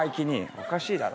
おかしいだろ。